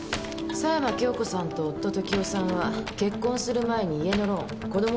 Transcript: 狭山京子さんと夫時夫さんは結婚する前に家のローン子供の養育費は時夫さん。